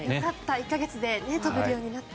１か月で跳べるようになって。